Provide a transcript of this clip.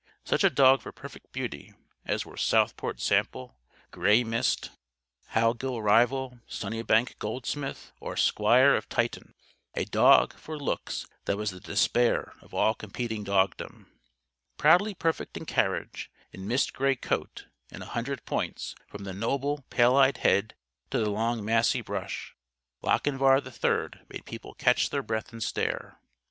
Such a dog for perfect beauty, as were Southport Sample, Grey Mist, Howgill Rival, Sunnybank Goldsmith or Squire of Tytton. A dog, for looks, that was the despair of all competing dogdom. Proudly perfect in carriage, in mist gray coat, in a hundred points from the noble pale eyed head to the long massy brush Lochinvar III made people catch their breath and stare.